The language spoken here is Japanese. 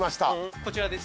こちらです。